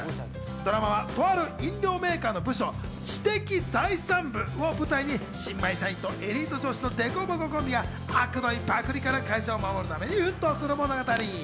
ドラマはとある飲料メーカーの部署・知的財産部を舞台に新米社員とエリート上司の凸凹コンビがあくどいパクリから会社を守るために大奮闘する物語。